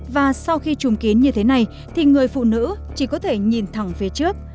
và sau khi chùm kín như thế này thì người phụ nữ chỉ có thể nhìn thẳng phía trước